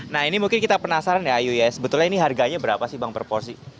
nah ini mungkin kita penasaran ya ayu ya sebetulnya ini harganya berapa sih bang per porsi